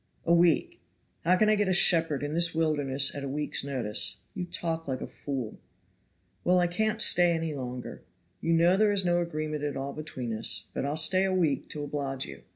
"A week! how can I get a shepherd in this wilderness at a week's notice? You talk like a fool." "Well, I can't stay any longer. You know there is no agreement at all between us, but I'll stay a week to oblige you."